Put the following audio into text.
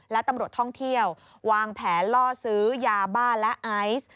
และตำรวจท่องเที่ยววางแผนล่อซื้อยาบ้าและไอซ์